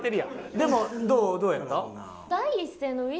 でもどうやった？